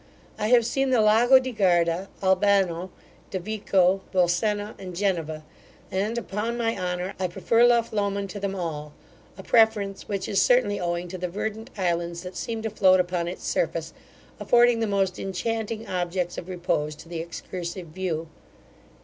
I have seen the Lago di Garda, Albano, De Vico, Bolsena, and Geneva, and, upon my honour, I prefer Lough Lomond to them all, a preference which is certainly owing to the verdant islands that seem to float upon its surface, affording the most inchanting objects of repose to the excursive view.